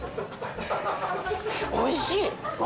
おいしい。